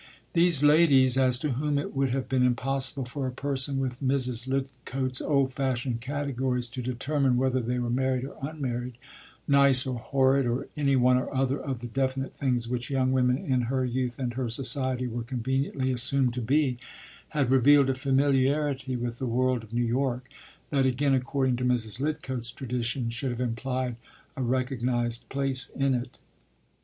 These ladies, as to whom it would have been impossible for a person with Mrs. Lidcote’s old fashioned categories to determine whether they were married or unmarried, “nice” or “horrid,” or any one or other of the definite things which young women, in her youth and her society, were conveniently assumed to be, had revealed a familiarity with the world of New York that, again according to Mrs. Lidcote’s traditions, should have implied a recognized place in it.